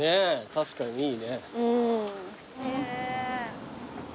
確かにいいね。